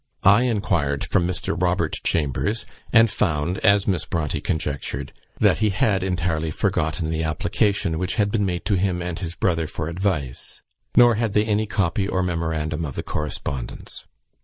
I inquired from Mr. Robert Chambers, and found, as Miss Bronte conjectured, that he had entirely forgotten the application which had been made to him and his brother for advice; nor had they any copy or memorandum of the correspondence.